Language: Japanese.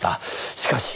しかし。